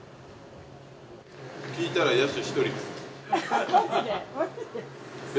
聞いたら野手１人です。